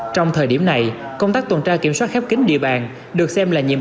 trong thời điểm này công tác tuần tra kiểm soát khép kính địa bàn